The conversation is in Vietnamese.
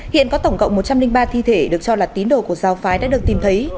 hiện có tổng cộng một trăm linh ba thi thể được cho là tín đồ của giáo phái đã được tìm thấy